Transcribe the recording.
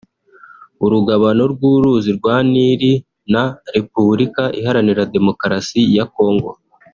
urugabano rw’uruzi rwa Nil na Repubulika Iharanira Demokarasi ya Congo